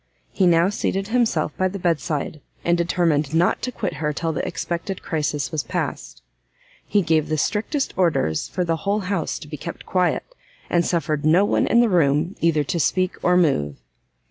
He now seated himself by the bedside, and determined not to quit her till the expected crisis was past. He gave the strictest orders for the whole house to be kept quiet, and suffered no one in the room either to speak or move.